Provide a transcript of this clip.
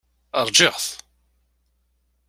Ṛjiɣ-t.